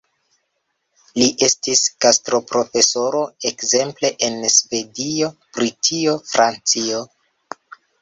Li estis gastoprofesoro ekzemple en Svedio, Britio, Francio.